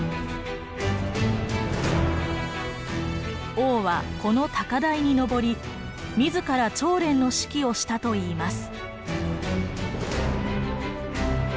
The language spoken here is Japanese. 王はこの高台にのぼり自ら調練の指揮をしたといいます。